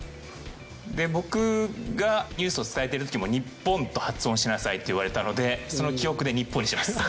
で僕がニュースを伝えてる時も「ニッポン」と発音しなさいと言われたのでその記憶で「ニッポン」にします。